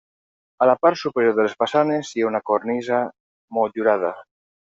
A la part superior de les façanes hi ha una cornisa motllurada.